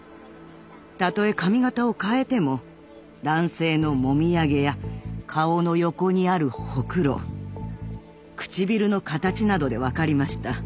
たとえ髪形を変えても男性のもみあげや顔の横にあるほくろ唇の形などで分かりました。